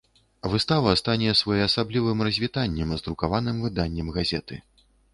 Выстава стане своеасаблівым развітаннем з друкаваным выданнем газеты.